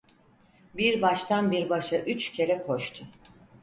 Bir baştan bir başa üç kere koştu.